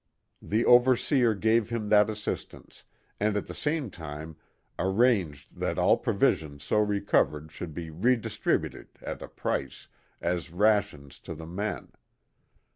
The overseer gave him that assistance, and at the same time arranged that all provisions so recovered should be redistributed (at a price) as rations to the men.